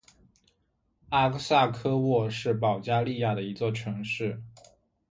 阿克萨科沃是保加利亚的一座城市。